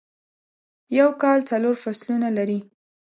یوکال څلورفصلونه لري ..